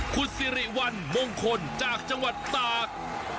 คุณสิริวัลมงคลจากจังหวัดตาก